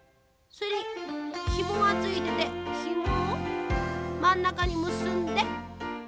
ひもがついててひもをまんなかにむすんで。